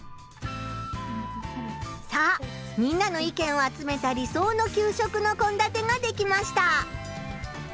さあみんなの意見を集めた理想の給食のこんだてができました！